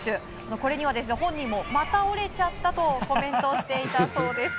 これには本人もまた折れちゃったとコメントしていたそうです。